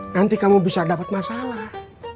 nanti kamu bisa dapat masalah